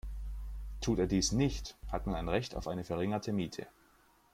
Tut er dies nicht, hat man ein Recht auf eine verringerte Miete.